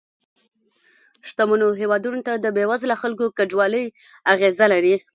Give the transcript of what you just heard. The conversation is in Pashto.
شتمنو هېوادونو ته د بې وزله خلکو کډوالۍ اغیزه لري